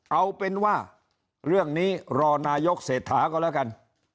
เอาเป็นว่าเรื่องนี้รอนายกเศรษฐาก็แล้วกัน